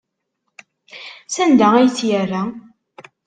Sanda ay tt-yerra?